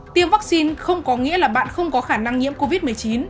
tiêm vắc xin không có nghĩa là bạn không có khả năng nhiễm covid một mươi chín